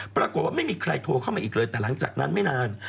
ปรากฏว่าไม่มีใครโทรเข้ามาอีกเลยแต่หลังจากนั้นไม่นาน